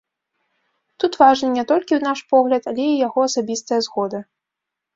Тут важны не толькі наш погляд, але і яго асабістая згода.